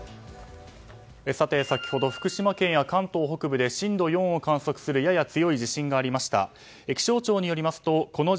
さて、先ほど福島県や関東北部で震度４を観測するやや強い地震がありました。